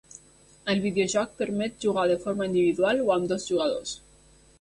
El videojoc permet jugar de forma individual o amb dos jugadors.